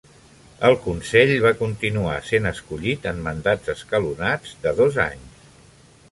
El consell va continuar sent escollit en mandats escalonats de dos anys.